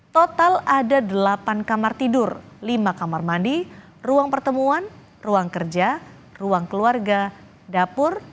total ada delapan kamar tidur lima kamar mandi ruang pertemuan ruang kerja ruang keluarga dapur